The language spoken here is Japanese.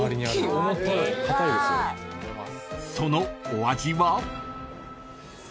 ［そのお味は？］